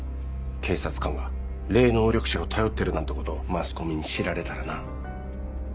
警察官が霊能力者を頼ってるなんてことをマスコミに知られたらな。